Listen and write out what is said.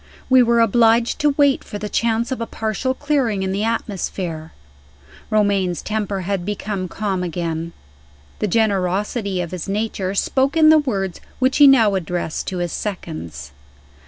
We were obliged to wait for the chance of a partial clearing in the atmosphere. Romayne's temper had become calm again. The generosity of his nature spoke in the words which he now addressed to his seconds.